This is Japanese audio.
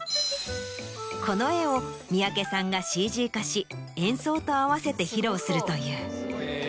この絵を三宅さんがＣＧ化し演奏と合わせて披露するという。